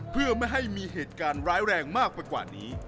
เพื่อไม่ให้มีเหตุการณ์ร้ายแรงมากไปกว่านี้